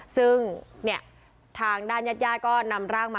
สวัสดีครับ